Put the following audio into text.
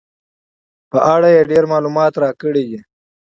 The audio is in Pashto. په اړه یې ډېر معلومات راکړي دي.